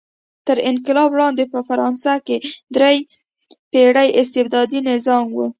تر انقلاب وړاندې په فرانسه کې درې پېړۍ استبدادي نظام و.